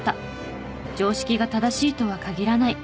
常識が正しいとは限らない。